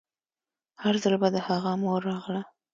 هر ځل به د هغه مور راغله.